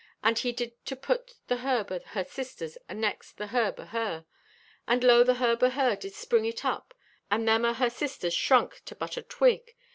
And he did to put the herb o' her sisters anext the herb o' her, and lo, the herb o' her did spring it up, and them o' her sisters shrunked to but a twig.